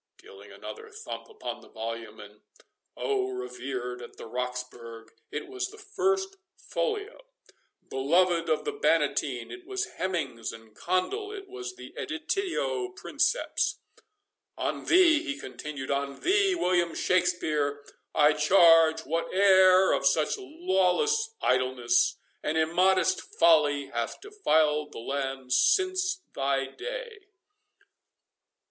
— (dealing another thump upon the volume—and oh! revered of the Roxburghe, it was the first folio—beloved of the Bannatyne, it was Hemmings and Condel—it was the editio princeps)—"On thee," he continued—"on thee, William Shakspeare, I charge whate'er of such lawless idleness and immodest folly hath defiled the land since thy day!"